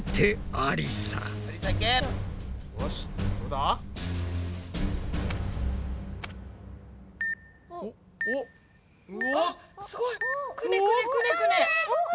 あっすごいくねくねくねくね。